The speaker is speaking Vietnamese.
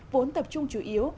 vốn tập trung chủ yếu